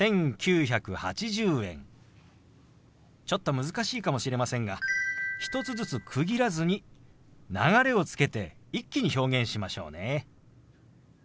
ちょっと難しいかもしれませんが１つずつ区切らずに流れをつけて一気に表現しましょうね。